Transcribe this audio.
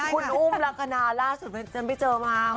คุณอุ้มลักษณะล่าสุดฉันไปเจอมา